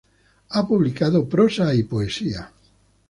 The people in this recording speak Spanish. Ha publicado prosa y poesía.